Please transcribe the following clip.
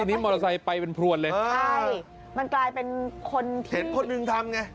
อันนี้มอเตอร์ไซค์ไปเป็นพรวนเลยใช่มันกลายเป็นคนเห็นคนหนึ่งทำไง